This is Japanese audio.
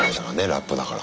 ラップだから。